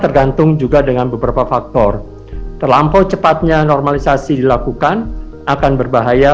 tergantung juga dengan beberapa faktor terlampau cepatnya normalisasi dilakukan akan berbahaya